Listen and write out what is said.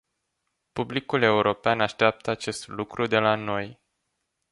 Publicul european așteaptă acest lucru de la noi.